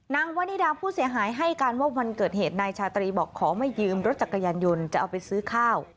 นางวันนิดาผู้เสียหายให้การว่าวันเกิดเหตุนายชาตรีบอกขอไม่ยืมรถจักรยานยนต์จะเอาไปซื้อข้าว